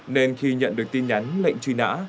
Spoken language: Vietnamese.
nên khi nhận được tin nhắn lệnh truy nã